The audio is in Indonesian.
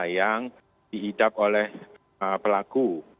yang dihidap oleh pelaku